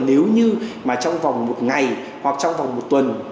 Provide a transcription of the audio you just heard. nếu như mà trong vòng một ngày hoặc trong vòng một tuần